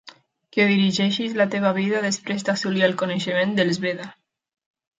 Que dirigeixis la teva vida després d'assolir el coneixement dels Veda.